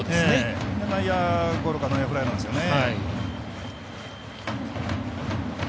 内野ゴロか内野フライなんですよね。